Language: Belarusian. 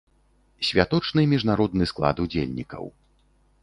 Святочны міжнародны склад удзельнікаў.